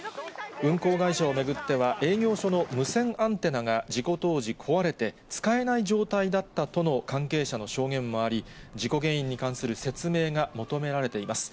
運航会社を巡っては、営業所の無線アンテナが事故当時、壊れて使えない状態だったとの関係者の証言もあり、事故原因に関する説明が求められています。